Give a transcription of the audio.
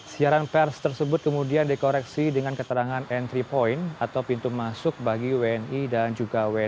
siaran pers tersebut kemudian dikoreksi dengan keterangan entry point atau pintu masuk bagi wni dan juga wni